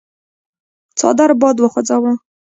څادر باد وخوځاوه.